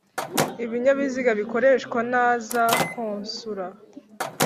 Ibinyabiziga bikoreshwa na za konsula